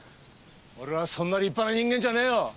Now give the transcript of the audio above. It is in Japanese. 俺はそんな立派な人間じゃねえよ。